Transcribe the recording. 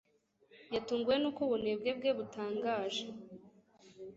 Yatunguwe nuko ubunebwe bwe butangaje.